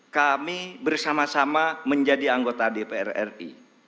kami bersama sama menjadi anggota dpr ri